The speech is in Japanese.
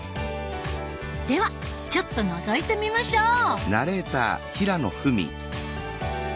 ではちょっとのぞいてみましょう！